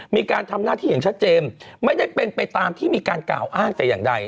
มีการทำหน้าที่อย่างชัดเจนไม่ได้เป็นไปตามที่มีการกล่าวอ้างแต่อย่างใด